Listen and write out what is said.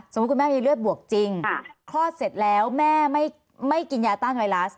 คุณแม่มีเลือดบวกจริงคลอดเสร็จแล้วแม่ไม่กินยาต้านไวรัส